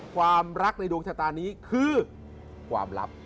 ความรักในดวงชะตานี้คือความลับ